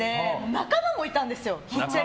仲間もいたんですよ。